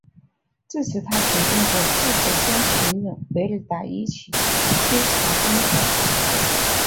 至此他决定和助手兼情人维尔达一起追查真相。